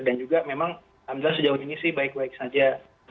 dan juga memang alhamdulillah sejauh ini sih baik baik saja